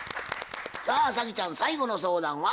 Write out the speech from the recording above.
さあ早希ちゃん最後の相談は？